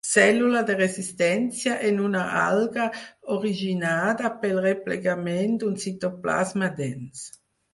Cèl·lula de resistència en una alga originada pel replegament d'un citoplasma dens.